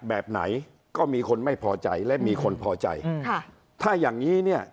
แบบไหนก็มีคนไม่พอใจและมีคนพอใจค่ะถ้าอย่างงี้เนี่ย